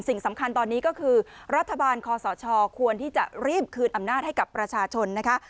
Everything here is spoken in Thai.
สิ่งสำคัญตอนนี้ก็คือรัฐบาลคอสชควรที่จะรีบคืนอำนาจให้กับประชาชนนะคะ